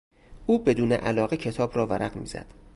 او بدون علاقه کتاب را ورق میزد.